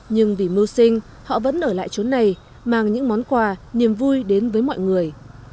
nhưng vì mưu sinh họ vẫn ở lại trốn này mang những món quà niềm vui đến với mọi người